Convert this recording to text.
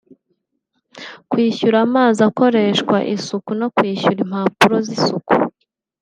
kwishyura amazi akoreshwa isuku no kwishyura impapuro z’ isuku